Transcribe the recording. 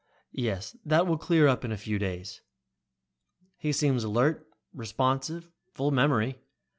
"Yes, that will clear up in a few days." "He seems alert, responsive, full memory.